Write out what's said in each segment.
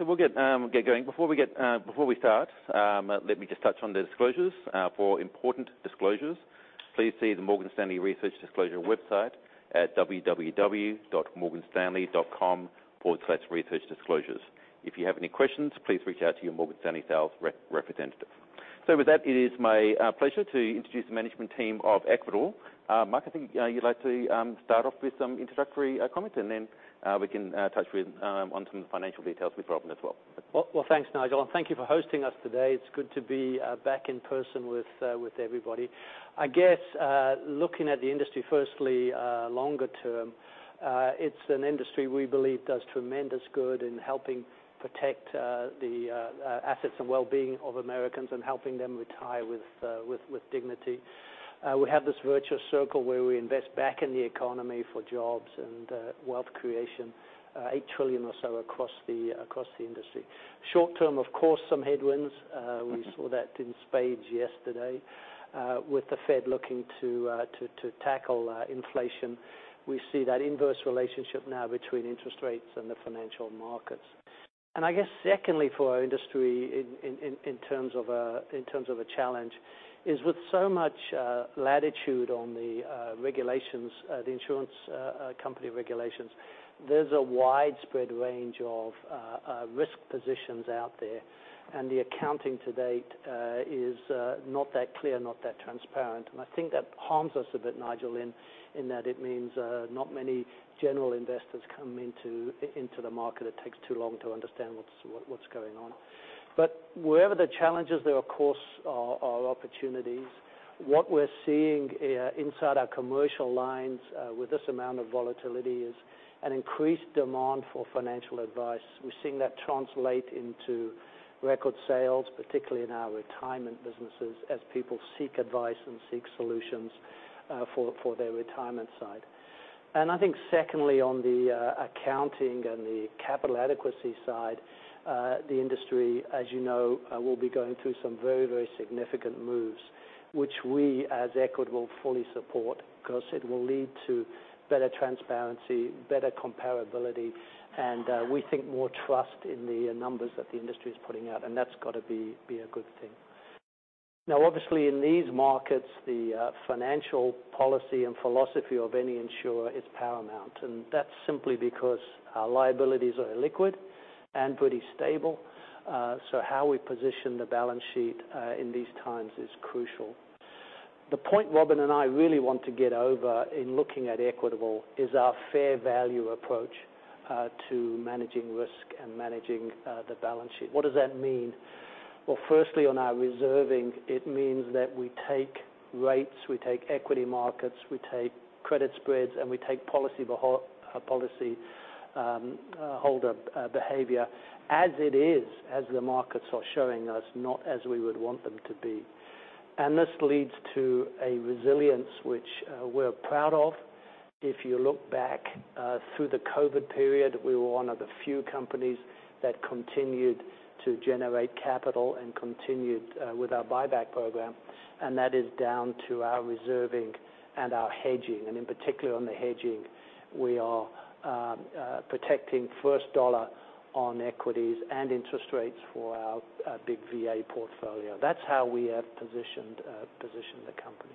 We'll get going. Before we start, let me just touch on the disclosures. For important disclosures, please see the Morgan Stanley Research Disclosure website at www.morganstanley.com/researchdisclosures. If you have any questions, please reach out to your Morgan Stanley sales representative. With that, it is my pleasure to introduce the management team of Equitable. Mark, I think you'd like to start off with some introductory comments, and then we can touch on some of the financial details with Robin as well. Well, thanks, Nigel, and thank you for hosting us today. It's good to be back in person with everybody. I guess, looking at the industry, firstly, longer term, it's an industry we believe does tremendous good in helping protect the assets and well-being of Americans and helping them retire with dignity. We have this virtuous circle where we invest back in the economy for jobs and wealth creation, $8 trillion or so across the industry. Short term, of course, some headwinds. We saw that in spades yesterday, with the Fed looking to tackle inflation. We see that inverse relationship now between interest rates and the financial markets. I guess secondly for our industry in terms of a challenge is with so much latitude on the insurance company regulations, there's a widespread range of risk positions out there, and the accounting to date is not that clear, not that transparent, and I think that harms us a bit, Nigel, in that it means not many general investors come into the market. It takes too long to understand what's going on. Wherever the challenges, there are, of course, are opportunities. What we're seeing inside our commercial lines with this amount of volatility is an increased demand for financial advice. We're seeing that translate into record sales, particularly in our retirement businesses, as people seek advice and seek solutions for their retirement side. I think secondly, on the accounting and the capital adequacy side, the industry, as you know, will be going through some very significant moves, which we, as Equitable, fully support because it will lead to better transparency, better comparability, and we think more trust in the numbers that the industry is putting out, and that's got to be a good thing. Now, obviously, in these markets, the financial policy and philosophy of any insurer is paramount, and that's simply because our liabilities are illiquid and pretty stable. How we position the balance sheet in these times is crucial. The point Robin and I really want to get over in looking at Equitable is our fair value approach to managing risk and managing the balance sheet. What does that mean? Well, firstly, on our reserving, it means that we take rates, we take equity markets, we take credit spreads, and we take policyholder behavior as it is, as the markets are showing us, not as we would want them to be. This leads to a resilience which we're proud of. If you look back through the COVID period, we were one of the few companies that continued to generate capital and continued with our buyback program, and that is down to our reserving and our hedging. In particular, on the hedging, we are protecting first dollar on equities and interest rates for our big VA portfolio. That's how we have positioned the company.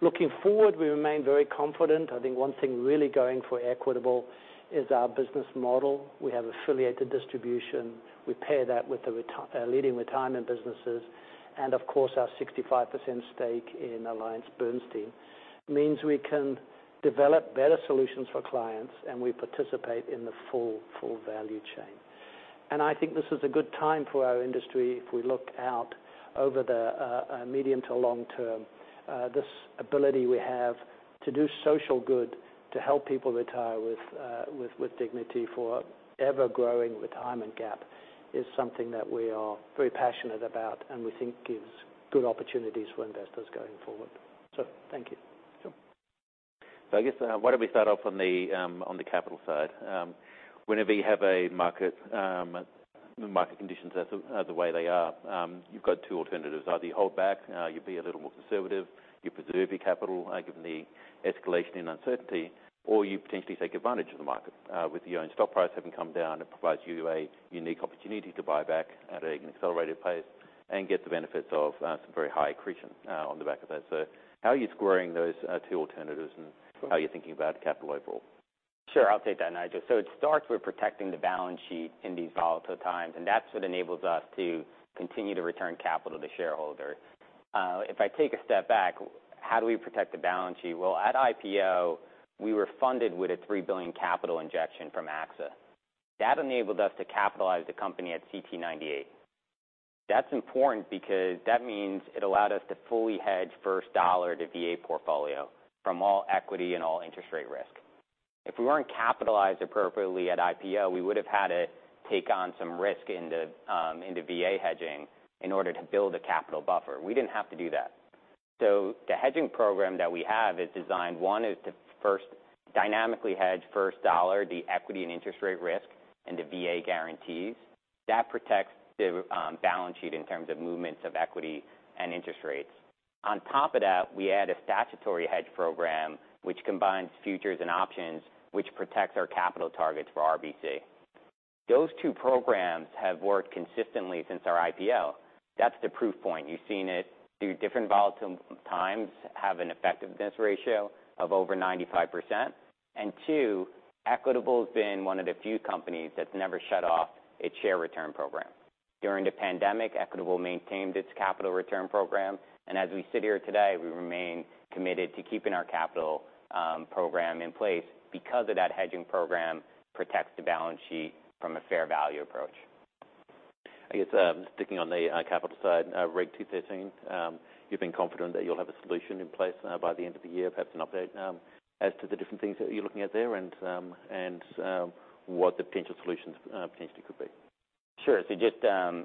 Looking forward, we remain very confident. I think one thing really going for Equitable is our business model. We have affiliated distribution. We pair that with the leading retirement businesses, of course, our 65% stake in AllianceBernstein means we can develop better solutions for clients, and we participate in the full value chain. I think this is a good time for our industry if we look out over the medium to long term. This ability we have to do social good to help people retire with dignity for ever-growing retirement gap is something that we are very passionate about and we think gives good opportunities for investors going forward. Thank you. I guess, why don't we start off on the capital side? Whenever you have market conditions as the way they are, you've got two alternatives. Either you hold back, you be a little more conservative, you preserve your capital given the escalation in uncertainty, or you potentially take advantage of the market. With your own stock price having come down, it provides you a unique opportunity to buy back at an accelerated pace and get the benefits of some very high accretion on the back of that. How are you squaring those two alternatives, and how are you thinking about capital overall? Sure. I'll take that, Nigel. It starts with protecting the balance sheet in these volatile times, and that's what enables us to continue to return capital to shareholders. If I take a step back, how do we protect the balance sheet? Well, at IPO, we were funded with a $3 billion capital injection from AXA. That enabled us to capitalize the company at CTE 98. That's important because that means it allowed us to fully hedge first dollar to VA portfolio from all equity and all interest rate risk. If we weren't capitalized appropriately at IPO, we would've had to take on some risk into VA hedging in order to build a capital buffer. We didn't have to do that. The hedging program that we have is designed, one, is to dynamically hedge first dollar, the equity and interest rate risk into VA guarantees. That protects the balance sheet in terms of movements of equity and interest rates. On top of that, we add a statutory hedge program which combines futures and options, which protects our capital targets for RBC. Those two programs have worked consistently since our IPO. That's the proof point. You've seen it through different volatile times have an effectiveness ratio of over 95%. Two, Equitable's been one of the few companies that's never shut off its share return program. During the pandemic, Equitable maintained its capital return program, and as we sit here today, we remain committed to keeping our capital program in place because of that hedging program protects the balance sheet from a fair value approach. I guess, sticking on the capital side, REG 213, you've been confident that you'll have a solution in place by the end of the year. Perhaps an update as to the different things that you're looking at there and what the potential solutions potentially could be. Sure. Just a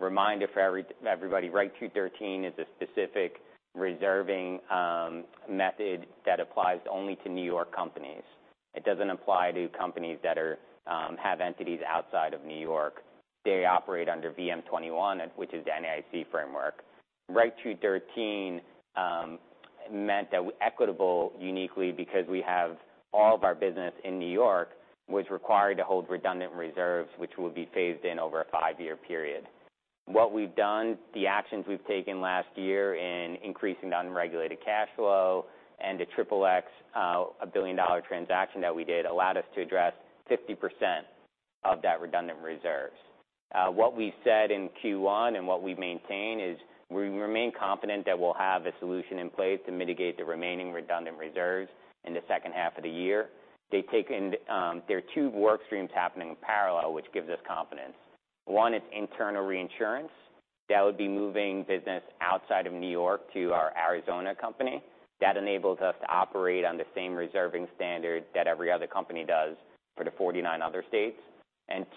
reminder for everybody, REG 213 is a specific reserving method that applies only to New York companies. It doesn't apply to companies that have entities outside of New York. They operate under VM-21, which is the NAIC framework. REG 213 meant that Equitable, uniquely because we have all of our business in New York, was required to hold redundant reserves, which will be phased in over a five-year period. What we've done, the actions we've taken last year in increasing the unregulated cash flow and the Triple-X, a billion-dollar transaction that we did, allowed us to address 50% of that redundant reserves. What we said in Q1 and what we maintain is we remain confident that we'll have a solution in place to mitigate the remaining redundant reserves in the second half of the year. There are two work streams happening in parallel, which gives us confidence. One is internal reinsurance. That would be moving business outside of New York to our Arizona company. That enables us to operate on the same reserving standard that every other company does for the 49 other states.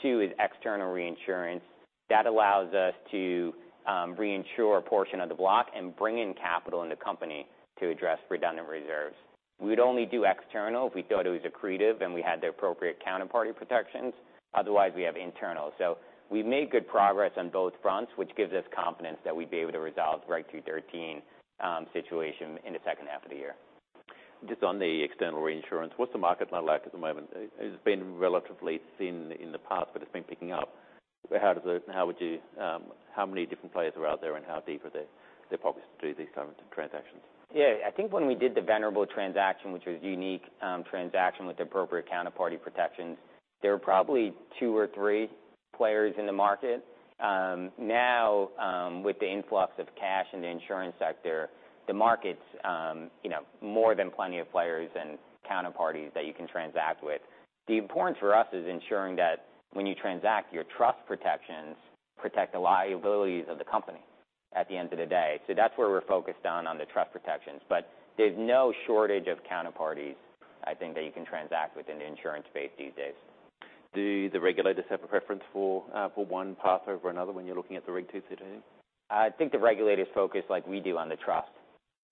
Two is external reinsurance. That allows us to reinsure a portion of the block and bring in capital in the company to address redundant reserves. We'd only do external if we thought it was accretive, and we had the appropriate counterparty protections. Otherwise, we have internal. We've made good progress on both fronts, which gives us confidence that we'd be able to resolve REG 213 situation in the second half of the year. Just on the external reinsurance, what's the market like at the moment? It's been relatively thin in the past, but it's been picking up. How many different players are out there, and how deep are their pockets to do these kinds of transactions? Yeah. I think when we did the Venerable transaction, which was unique transaction with appropriate counterparty protections, there were probably two or three players in the market. Now, with the influx of cash in the insurance sector, the market's more than plenty of players and counterparties that you can transact with. The importance for us is ensuring that when you transact, your trust protections protect the liabilities of the company at the end of the day. That's where we're focused on the trust protections. There's no shortage of counterparties, I think, that you can transact with in the insurance space these days. Do the regulators have a preference for one path over another when you're looking at the REG 213? I think the regulators focus, like we do, on the trust.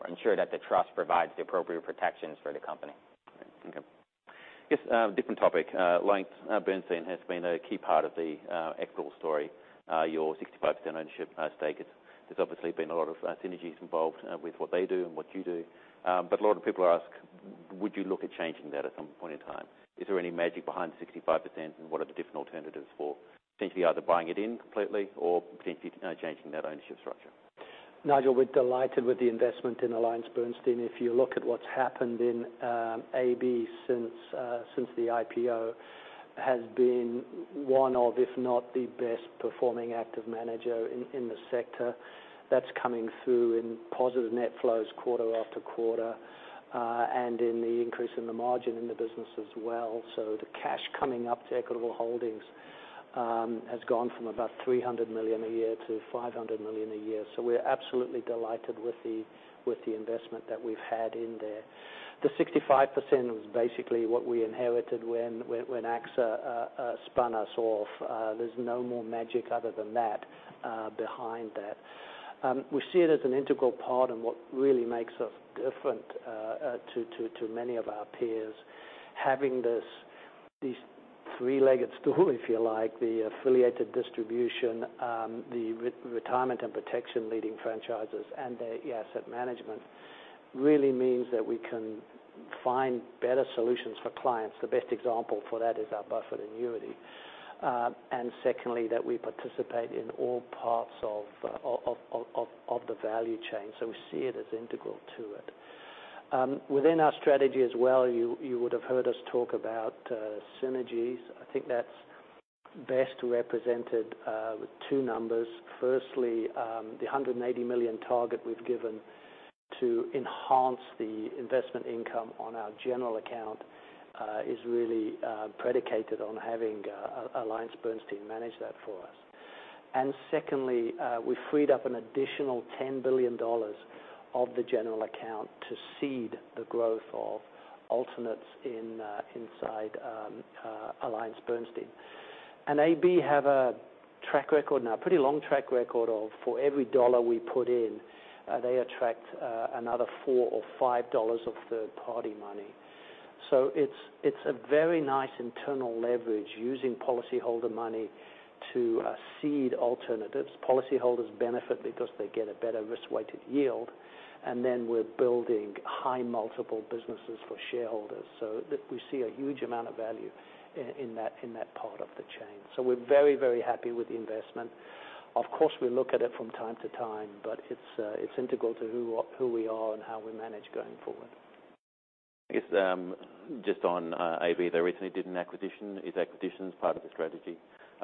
Ensure that the trust provides the appropriate protections for the company. Okay. Just a different topic. AllianceBernstein has been a key part of the Equitable story. Your 65% ownership stake. There's obviously been a lot of synergies involved with what they do and what you do. A lot of people ask, would you look at changing that at some point in time? Is there any magic behind the 65%, and what are the different alternatives for potentially either buying it in completely or potentially changing that ownership structure? Nigel, we're delighted with the investment in AllianceBernstein. If you look at what's happened in AB since the IPO, has been one of, if not the best performing active manager in the sector. That's coming through in positive net flows quarter after quarter. In the increase in the margin in the business as well. The cash coming up to Equitable Holdings has gone from about $300 million a year to $500 million a year. We're absolutely delighted with the investment that we've had in there. The 65% was basically what we inherited when AXA spun us off. There's no more magic other than that behind that. We see it as an integral part and what really makes us different to many of our peers. Having these three-legged stool, if you like, the affiliated distribution, the retirement and protection leading franchises, and the asset management really means that we can find better solutions for clients. The best example for that is our buffered annuity. Secondly, that we participate in all parts of the value chain. We see it as integral to it. Within our strategy as well, you would have heard us talk about synergies. I think that's best represented with two numbers. Firstly, the $180 million target we've given to enhance the investment income on our general account is really predicated on having AllianceBernstein manage that for us. Secondly, we freed up an additional $10 billion of the general account to seed the growth of alternates inside AllianceBernstein. AB have a track record now, pretty long track record of, for every dollar we put in, they attract another $4 or $5 of third-party money. It's a very nice internal leverage using policy holder money to seed alternatives. Policy holders benefit because they get a better risk-weighted yield, we're building high multiple businesses for shareholders, we see a huge amount of value in that part of the chain. We're very happy with the investment. Of course, we look at it from time to time, it's integral to who we are and how we manage going forward. I guess, just on AB, they recently did an acquisition. Is acquisitions part of the strategy,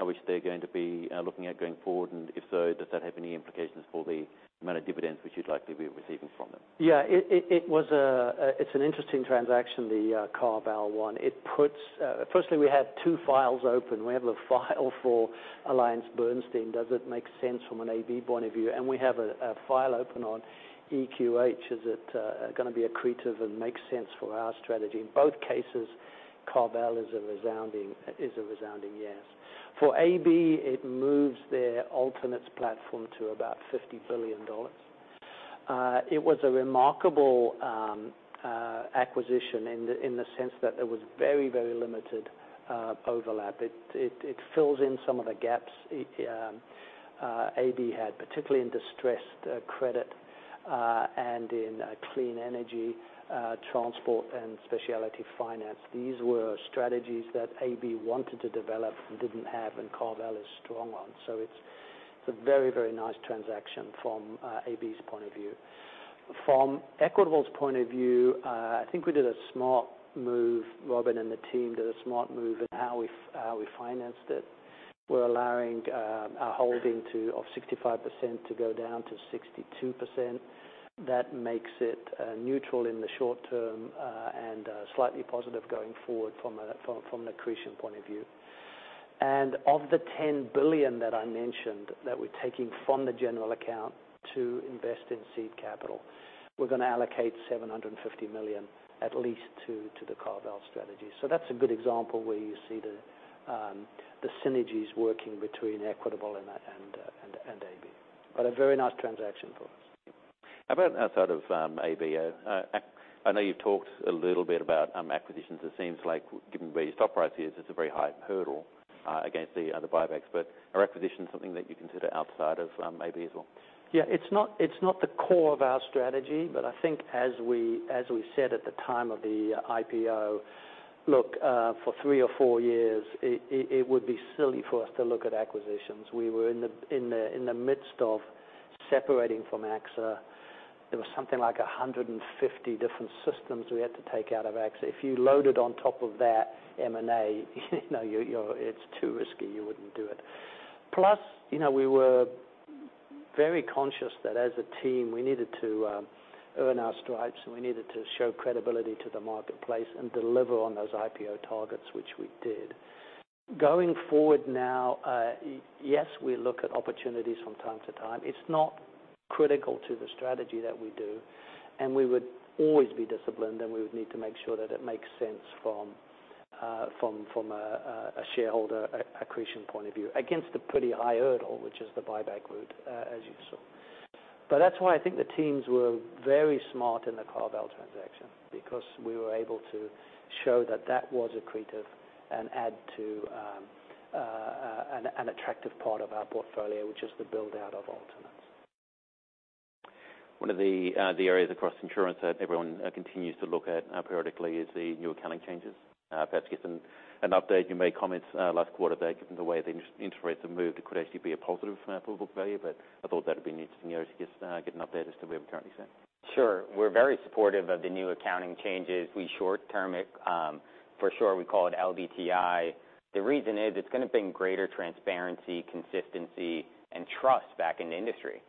which they're going to be looking at going forward, and if so, does that have any implications for the amount of dividends which you'd likely be receiving from them? Yeah. It's an interesting transaction, the CarVal one. Firstly, we have two files open. We have a file for AllianceBernstein, does it make sense from an AB point of view? And we have a file open on EQH. Is it going to be accretive and make sense for our strategy? In both cases, CarVal is a resounding yes. For AB, it moves their alternates platform to about $50 billion. It was a remarkable acquisition in the sense that there was very limited overlap. It fills in some of the gaps AB had, particularly in distressed credit, and in clean energy transport and specialty finance. These were strategies that AB wanted to develop and didn't have, and CarVal is strong on. It's a very nice transaction from AB's point of view. From Equitable's point of view, I think we did a smart move. Robin and the team did a smart move in how we financed it. We're allowing our holding of 65% to go down to 62%. That makes it neutral in the short term and slightly positive going forward from an accretion point of view. Of the $10 billion that I mentioned, that we're taking from the general account to invest in seed capital, we're going to allocate $750 million at least to the CarVal strategy. That's a good example where you see the synergies working between Equitable and AB, but a very nice transaction for us. How about outside of AB? I know you've talked a little bit about acquisitions. It seems like given where your stock price is, it's a very high hurdle against the other buybacks. Are acquisitions something that you consider outside of maybe as well? Yeah, it's not the core of our strategy, but I think as we said at the time of the IPO, for three or four years, it would be silly for us to look at acquisitions. We were in the midst of separating from AXA. There was something like 150 different systems we had to take out of AXA. If you loaded on top of that M&A, it's too risky, you wouldn't do it. We were very conscious that as a team, we needed to earn our stripes, and we needed to show credibility to the marketplace and deliver on those IPO targets, which we did. Going forward now, yes, we look at opportunities from time to time. It's not critical to the strategy that we do, and we would always be disciplined, and we would need to make sure that it makes sense from a shareholder accretion point of view, against the pretty high hurdle, which is the buyback route, as you saw. That's why I think the teams were very smart in the CarVal transaction because we were able to show that that was accretive and add to an attractive part of our portfolio, which is the build-out of alternates. One of the areas across insurance that everyone continues to look at periodically is the new accounting changes. Perhaps get an update. You made comments last quarter that given the way the interest rates have moved, it could actually be a positive for book value, but I thought that'd be an interesting area to just get an update as to where we currently sit. Sure. We're very supportive of the new accounting changes. We short-term it. For sure, we call it LDTI. The reason is it's going to bring greater transparency, consistency, and trust back in the industry.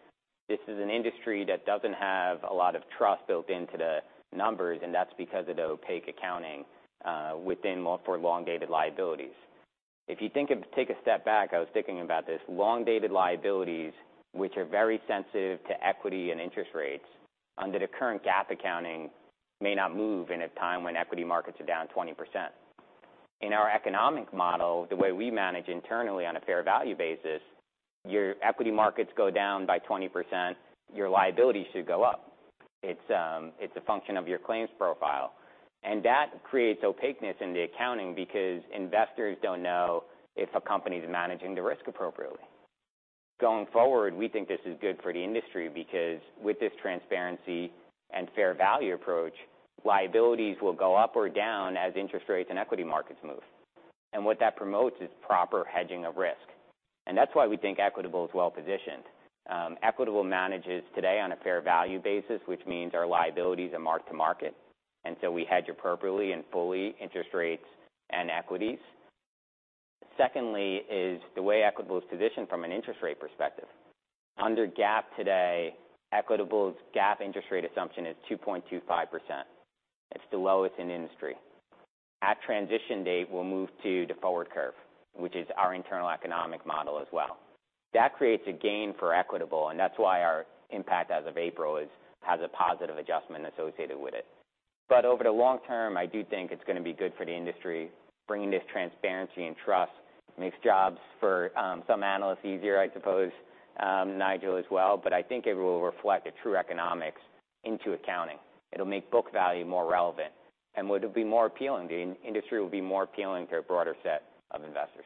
This is an industry that doesn't have a lot of trust built into the numbers, and that's because of the opaque accounting within for long-dated liabilities. If you take a step back, I was thinking about this, long-dated liabilities, which are very sensitive to equity and interest rates, under the current GAAP accounting, may not move in a time when equity markets are down 20%. In our economic model, the way we manage internally on a fair value basis, your equity markets go down by 20%, your liability should go up. It's a function of your claims profile. That creates opaqueness in the accounting because investors don't know if a company's managing the risk appropriately. Going forward, we think this is good for the industry because with this transparency and fair value approach, liabilities will go up or down as interest rates and equity markets move. What that promotes is proper hedging of risk. That's why we think Equitable is well-positioned. Equitable manages today on a fair value basis, which means our liabilities are marked to market. So we hedge appropriately and fully interest rates and equities. Secondly is the way Equitable is positioned from an interest rate perspective. Under GAAP today, Equitable's GAAP interest rate assumption is 2.25%. It's the lowest in the industry. At transition date, we'll move to the forward curve, which is our internal economic model as well. That creates a gain for Equitable, and that's why our impact as of April has a positive adjustment associated with it. Over the long term, I do think it's going to be For the industry, bringing this transparency and trust makes jobs for some analysts easier, I suppose, Nigel, as well, but I think it will reflect the true economics into accounting. It'll make book value more relevant and would be more appealing. The industry will be more appealing to a broader set of investors.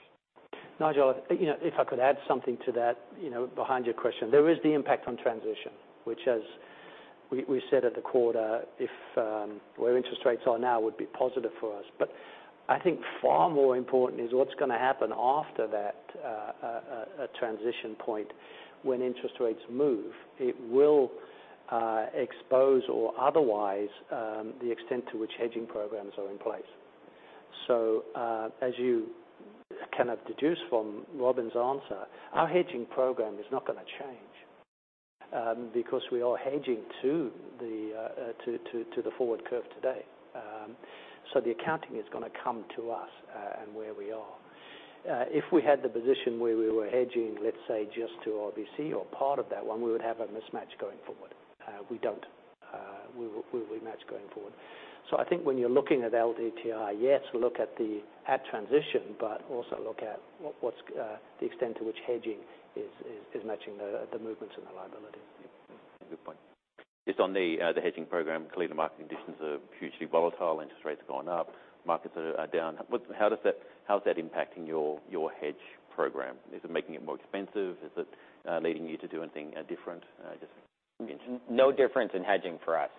Nigel, if I could add something to that behind your question. There is the impact on transition, which as we said at the quarter, where interest rates are now would be positive for us. I think far more important is what's going to happen after that transition point when interest rates move. It will expose or otherwise, the extent to which hedging programs are in place. As you can deduce from Robin's answer, our hedging program is not going to change, because we are hedging to the forward curve today. The accounting is going to come to us and where we are. If we had the position where we were hedging, let's say just to RBC or part of that one, we would have a mismatch going forward. We don't. We match going forward. I think when you're looking at LDTI, yes, we look at transition, but also look at the extent to which hedging is matching the movements in the liability. Good point. Just on the hedging program, clearly the market conditions are hugely volatile. Interest rates have gone up. Markets are down. How is that impacting your hedge program? Is it making it more expensive? Is it leading you to do anything different? No difference in hedging for us.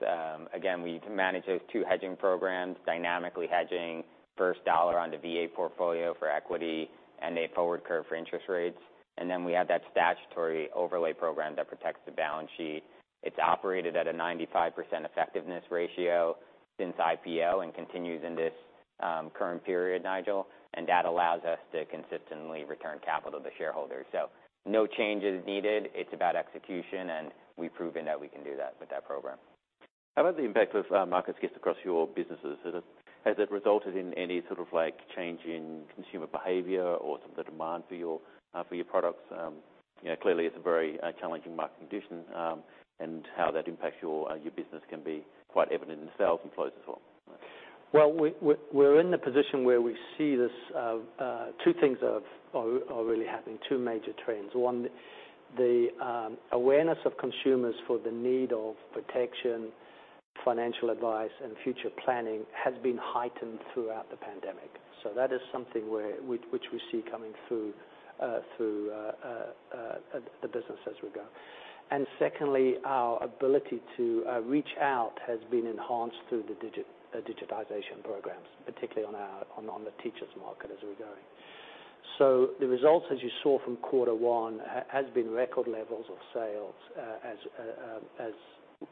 Again, we manage those two hedging programs, dynamically hedging first dollar on the VA portfolio for equity and a forward curve for interest rates. Then we have that statutory overlay program that protects the balance sheet. It's operated at a 95% effectiveness ratio since IPO and continues in this current period, Nigel. That allows us to consistently return capital to shareholders. No changes needed. It's about execution, and we've proven that we can do that with that program. How about the impact of market risk across your businesses? Has it resulted in any sort of change in consumer behavior or sort of the demand for your products? Clearly, it's a very challenging market condition, and how that impacts your business can be quite evident in sales and flows as well. Well, we're in the position where we see two things are really happening, two major trends. One, the awareness of consumers for the need of protection, financial advice, and future planning has been heightened throughout the pandemic. That is something which we see coming through the business as we go. Secondly, our ability to reach out has been enhanced through the digitization programs, particularly on the teachers market as we're going. The results, as you saw from quarter one, has been record levels of sales, as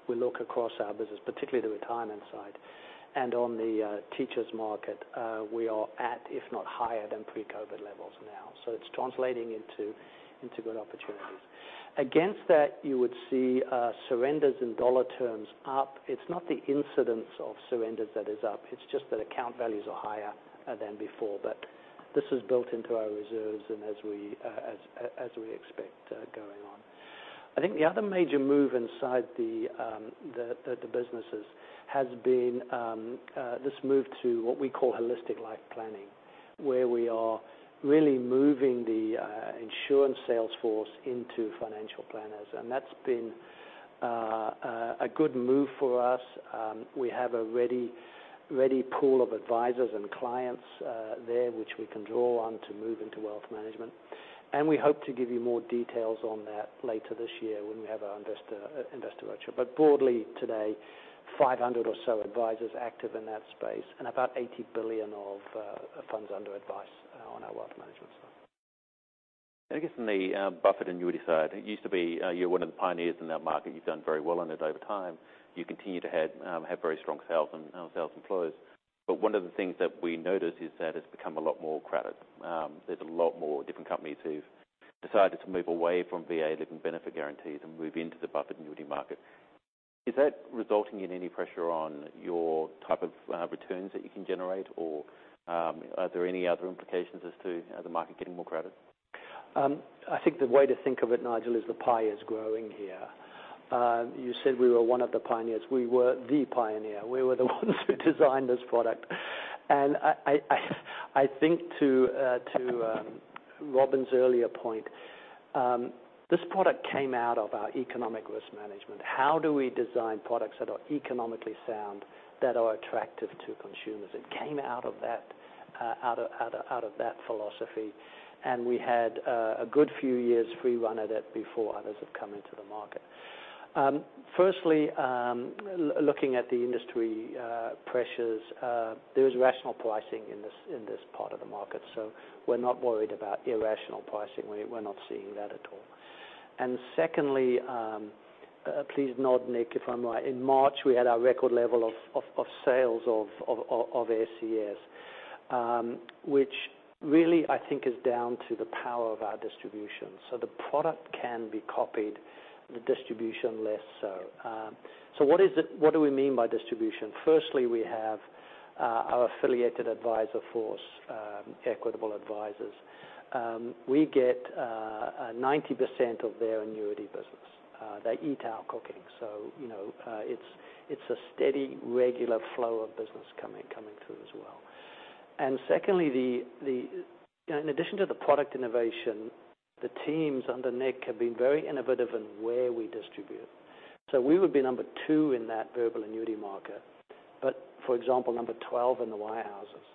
we look across our business, particularly the retirement side. On the teachers market, we are at, if not higher than pre-COVID levels now. It's translating into good opportunities. Against that, you would see surrenders in dollar terms up. It's not the incidence of surrenders that is up. It's just that account values are higher than before. This is built into our reserves and as we expect going on. I think the other major move inside the businesses has been this move to what we call holistic life planning, where we are really moving the insurance sales force into financial planners. That's been a good move for us. We have a ready pool of advisors and clients there which we can draw on to move into wealth management. We hope to give you more details on that later this year when we have our investor virtual. Broadly today, 500 or so advisors active in that space and about $80 billion of funds under advice on our wealth management side. I guess in the buffered annuity side, it used to be you're one of the pioneers in that market. You've done very well on it over time. You continue to have very strong sales and sales employees. One of the things that we notice is that it's become a lot more crowded. There's a lot more different companies who've decided to move away from VA living benefit guarantees and move into the buffered annuity market. Is that resulting in any pressure on your type of returns that you can generate? Are there any other implications as to the market getting more crowded? I think the way to think of it, Nigel, is the pie is growing here. You said we were one of the pioneers. We were the pioneer. We were the ones who designed this product. I think to Robin's earlier point, this product came out of our economic risk management. How do we design products that are economically sound, that are attractive to consumers? It came out of that philosophy. We had a good few years free run at it before others have come into the market. Firstly, looking at the industry pressures, there is rational pricing in this part of the market. We're not worried about irrational pricing. We're not seeing that at all. Secondly, please nod Nick, if I'm right. In March, we had our record level of sales of SCS, which really I think is down to the power of our distribution. The product can be copied, the distribution less so. What do we mean by distribution? Firstly, we have our affiliated advisor force, Equitable Advisors. We get 90% of their annuity business. They eat our cooking. It's a steady, regular flow of business coming through as well. Secondly, in addition to the product innovation, the teams under Nick have been very innovative in where we distribute. We would be number 2 in that variable annuity market, but for example, number 12 in the wirehouses.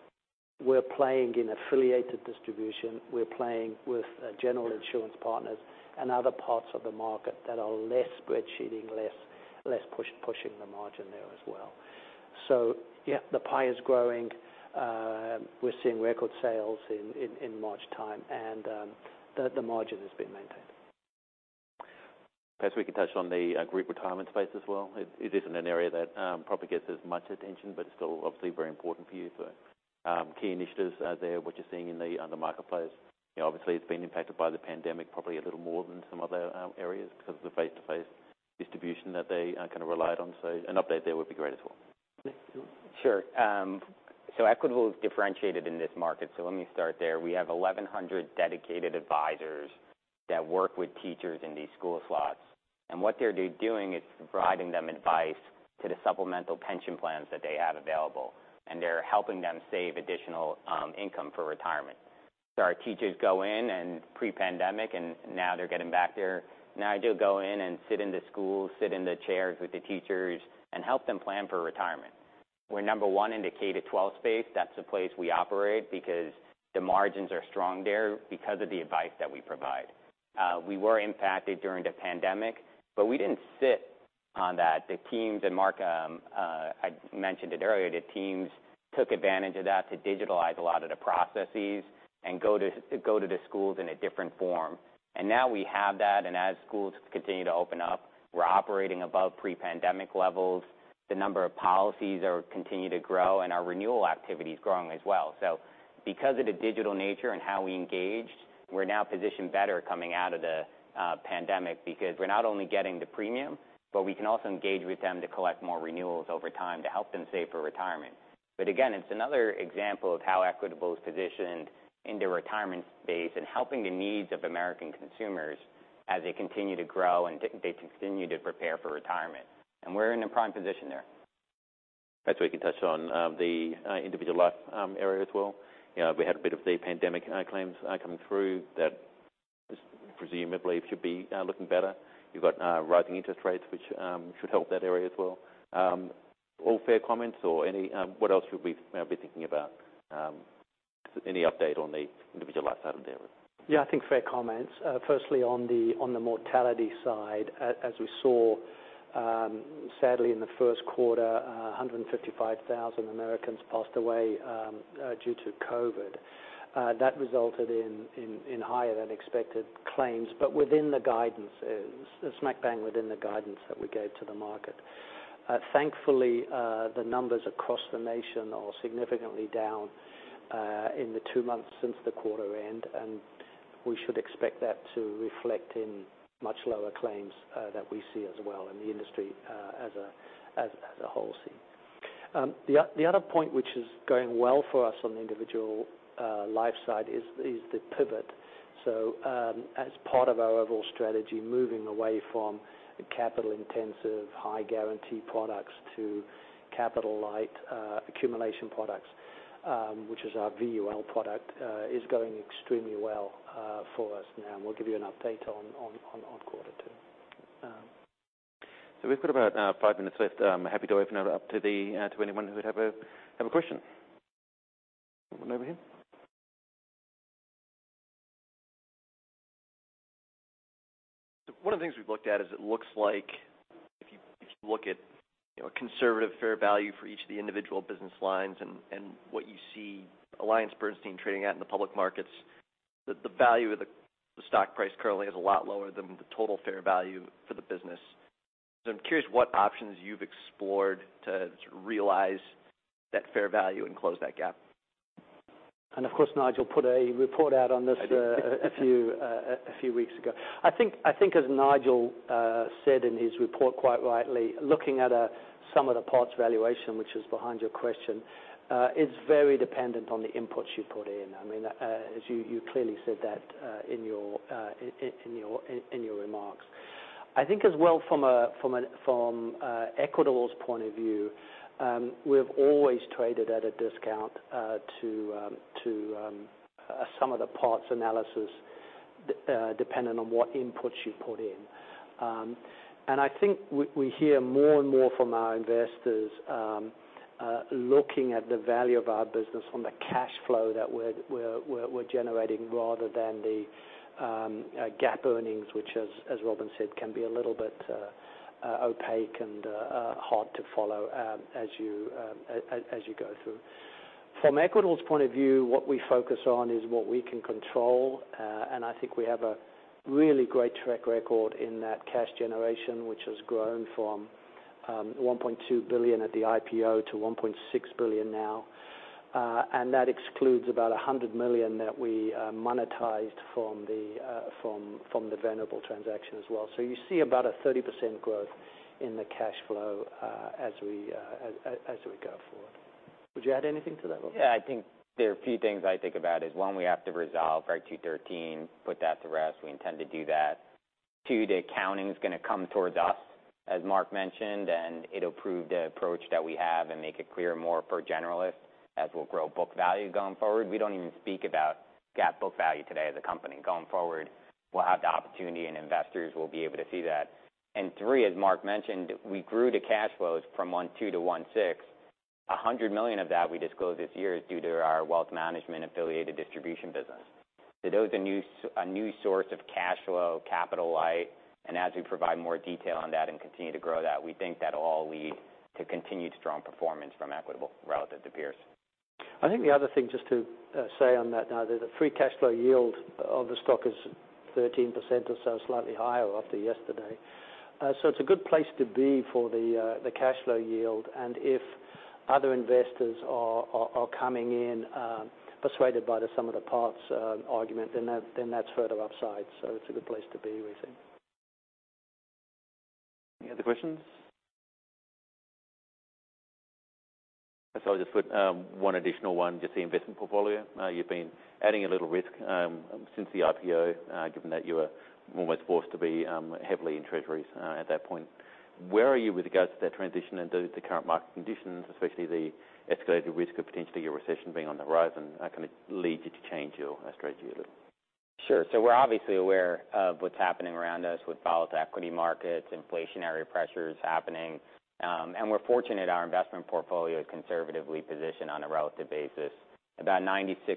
We're playing in affiliated distribution, we're playing with general insurance partners and other parts of the market that are less spreadsheeting, less pushing the margin there as well. Yeah, the pie is growing. We're seeing record sales in March time, the margin has been maintained. Perhaps we can touch on the group retirement space as well. It isn't an area that probably gets as much attention, but it's still obviously very important for you for key initiatives there. What you're seeing in the marketplace, obviously, it's been impacted by the pandemic probably a little more than some other areas because of the face-to-face distribution that they relied on. An update there would be great as well. Yes, sure. Sure. Equitable is differentiated in this market, let me start there. We have 1,100 dedicated advisors that work with teachers in these school slots, what they're doing is providing them advice to the supplemental pension plans that they have available, they're helping them save additional income for retirement. Our teachers go in pre-pandemic, now they're getting back there. Now they'll go in and sit in the schools, sit in the chairs with the teachers, help them plan for retirement. We're number one in the K-12 space. That's the place we operate because the margins are strong there because of the advice that we provide. We were impacted during the pandemic, we didn't sit on that. I mentioned it earlier, the teams took advantage of that to digitalize a lot of the processes and go to the schools in a different form. Now we have that, as schools continue to open up, we're operating above pre-pandemic levels. The number of policies are continuing to grow, our renewal activity is growing as well. Because of the digital nature and how we engaged, we're now positioned better coming out of the pandemic because we're not only getting the premium, we can also engage with them to collect more renewals over time to help them save for retirement. Again, it's another example of how Equitable is positioned in the retirement space helping the needs of American consumers as they continue to grow they continue to prepare for retirement. We're in a prime position there. Perhaps we can touch on the individual life area as well. We had a bit of the pandemic claims coming through that presumably should be looking better. You've got rising interest rates, which should help that area as well. All fair comments or what else should we be thinking about? Any update on the individual life side of the area? Yeah, I think fair comments. Firstly, on the mortality side, as we saw, sadly in the first quarter, 155,000 Americans passed away due to COVID. That resulted in higher-than-expected claims, but within the guidance, smack bang within the guidance that we gave to the market. Thankfully, the numbers across the nation are significantly down in the two months since the quarter end, and we should expect that to reflect in much lower claims that we see as well in the industry as a whole. The other point which is going well for us on the individual life side is the pivot. As part of our overall strategy, moving away from capital-intensive, high-guarantee products to capital-light accumulation products, which is our VUL product, is going extremely well for us now, and we'll give you an update on quarter two. We've got about five minutes left. I'm happy to open it up to anyone who would have a question. One over here. One of the things we've looked at is it looks like if you look at a conservative fair value for each of the individual business lines and what you see AllianceBernstein trading at in the public markets, the value of the stock price currently is a lot lower than the total fair value for the business. I'm curious what options you've explored to realize that fair value and close that gap. Of course, Nigel put a report out on this a few weeks ago. I think, as Nigel said in his report, quite rightly, looking at a sum of the parts valuation, which is behind your question, is very dependent on the inputs you put in. You clearly said that in your remarks. I think as well from Equitable's point of view, we've always traded at a discount to a sum of the parts analysis, depending on what inputs you put in. I think we hear more and more from our investors looking at the value of our business from the cash flow that we're generating, rather than the GAAP earnings, which, as Robin said, can be a little bit opaque and hard to follow as you go through. From Equitable's point of view, what we focus on is what we can control. I think we have a really great track record in that cash generation, which has grown from $1.2 billion at the IPO to $1.6 billion now. That excludes about $100 million that we monetized from the Venerable transaction as well. You see about a 30% growth in the cash flow as we go forward. Would you add anything to that, Robin? Yeah, I think there are a few things I think about is, one, we have to resolve our 213, put that to rest. We intend to do that. Two, the accounting's going to come towards us, as Mark mentioned. It'll prove the approach that we have and make it clearer, more for generalists, as we'll grow book value going forward. We don't even speak about GAAP book value today as a company. Going forward, we'll have the opportunity, and investors will be able to see that. Three, as Mark mentioned, we grew the cash flows from $1.2 billion to $1.6 billion. $100 million of that we disclosed this year is due to our wealth management affiliated distribution business. Those are a new source of cash flow, capital light, and as we provide more detail on that and continue to grow that, we think that'll all lead to continued strong performance from Equitable relative to peers. The other thing just to say on that Nigel, the free cash flow yield of the stock is 13% or so, slightly higher after yesterday. It's a good place to be for the cash flow yield, if other investors are coming in persuaded by the sum of the parts argument, that's further upside. It's a good place to be, we think. Any other questions? I'll just put one additional one, just the investment portfolio. You've been adding a little risk since the IPO, given that you were almost forced to be heavily in treasuries at that point. Where are you with regards to that transition, do the current market conditions, especially the escalated risk of potentially a recession being on the horizon, kind of lead you to change your strategy a little? Sure. We're obviously aware of what's happening around us with volatile equity markets, inflationary pressures happening. We're fortunate our investment portfolio is conservatively positioned on a relative basis. About 96%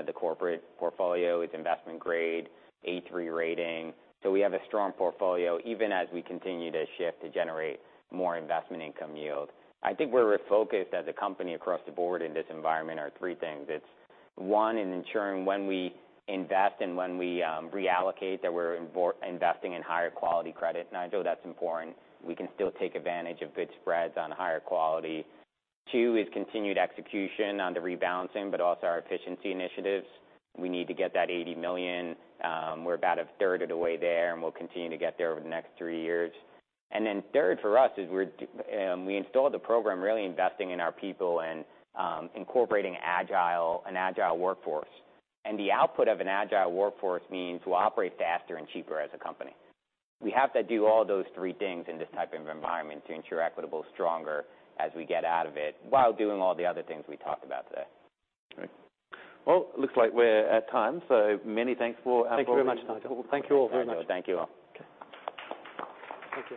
of the corporate portfolio is investment grade, A3 rating. We have a strong portfolio, even as we continue to shift to generate more investment income yield. I think where we're focused as a company across the board in this environment are three things. It's, one, in ensuring when we invest and when we reallocate, that we're investing in higher quality credit. I know that's important. We can still take advantage of good spreads on higher quality. Two is continued execution on the rebalancing, but also our efficiency initiatives. We need to get that $80 million. We're about a third of the way there, and we'll continue to get there over the next three years. Third for us is we installed a program really investing in our people and incorporating an agile workforce. The output of an agile workforce means we'll operate faster and cheaper as a company. We have to do all those three things in this type of environment to ensure Equitable's stronger as we get out of it, while doing all the other things we talked about today. Great. Well, looks like we're at time, many thanks for- Thank you very much, Nigel. our board. Thank you all very much. Thank you all. Okay. Thank you.